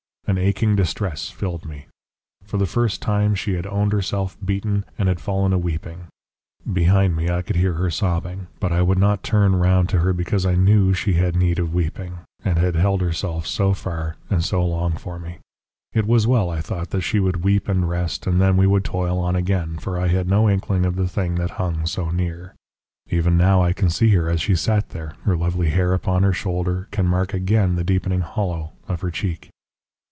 An aching distress filled me. For the first time she had owned herself beaten and had fallen a weeping. Behind me I could hear her sobbing, but I would not turn round to her because I knew she had need of weeping, and had held herself so far and so long for me. It was well, I thought, that she would weep and rest and then we would toil on again, for I had no inkling of the thing that hung so near. Even now I can see her as she sat there, her lovely hair upon her shoulder, can mark again the deepening hollow of her cheek.